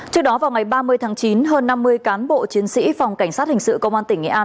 trước đó vào ngày ba mươi tháng chín hơn năm mươi cán bộ chiến sĩ phòng cảnh sát hình sự công an tỉnh nghệ an